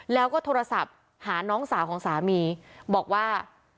แล้วก็โทรศัพท์หาน้องสาวของสามีบอกว่า